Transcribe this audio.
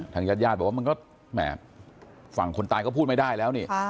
ญาติญาติบอกว่ามันก็แหม่ฝั่งคนตายก็พูดไม่ได้แล้วนี่